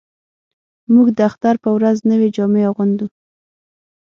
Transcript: موږ د اختر په ورځ نوې جامې اغوندو